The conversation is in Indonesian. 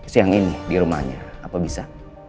siang ini di rumahnya apa bisa